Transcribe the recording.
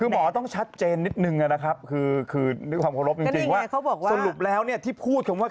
คือหมอต้องชัดเจนนิดนึงนะครับคือความขอรบจริงว่าสรุปแล้วที่พูดคือว่า